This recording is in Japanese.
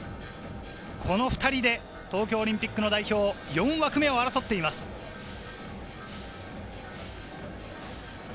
この２人で東京オリンピックの代表４枠目を争っています。